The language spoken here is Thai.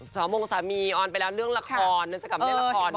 สององค์สามีออนไปเรื่องละครคุณจะกลับมาเรื่องละคร